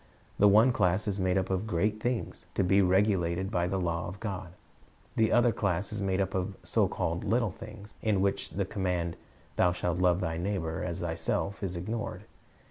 The one class is made up of great things, to be regulated by the law of God; the other class is made up of so called little things, in which the command, "Thou shalt love thy neighbor as thyself," is ignored.